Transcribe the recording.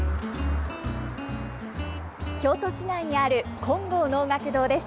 京都市内にある金剛能楽堂です。